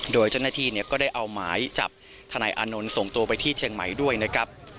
โดยเจ้าหน้าที่ก็ได้เอาหมายจับทนายอานนท์ส่งตัวไปที่เชียงใหม่ด้วยนะครับ